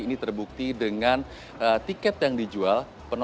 ini terbukti dengan tiket yang dijual